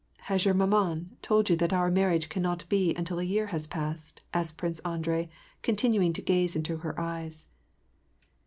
" Has your manuin told you that our marriage cannot be till a year has passed ?" asked Prince Andrei, continuing to gaze into her eyes.